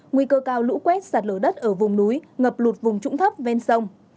nguy cơ cao lũ quét sạt lở đất ở vùng núi ngập lụt vùng trũng thấp ven sông